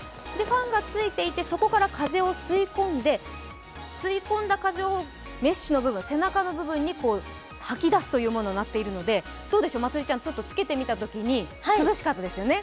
ファンがついていて、そこから風を吸い込んで、吸い込んだ風をメッシュの背中の部分に吐き出すものになっているのでまつりちゃん、つけてみたときに涼しかったですよね？